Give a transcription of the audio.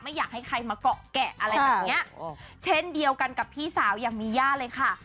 อยากให้ใครมาเกาะแกะอะไรแบบนี้เช่นเดียวกันกับพี่สาวอย่างมีย่าเลยค่ะ